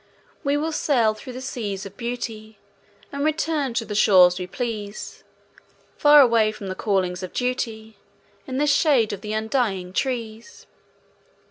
We will sail through the seas of beauty, And return to the shores we please; Far away from the callings of duty, In the shade of undying trees.